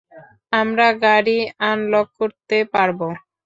আমরা গাড়ি আনলক করতে পারব।